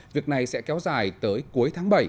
việc này sẽ kéo dài tới cuối tháng bảy